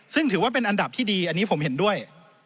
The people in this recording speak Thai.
ซึ่งถือว่าเป็นอันดับที่ดีอันนี้ผมเห็นด้วย